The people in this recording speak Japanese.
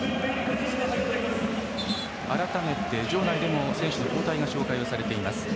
改めて場内でも選手の交代が紹介されています。